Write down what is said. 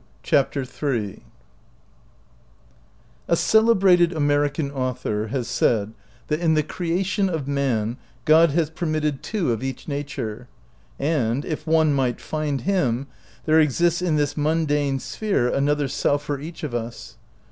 61 CHAPTER III A CELEBRATED American author has said that in the creation of man God has permitted two of each nature, and, if one might find him, there exists in this mundane sphere another self for each of us.